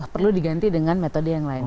perlu diganti dengan metode yang lain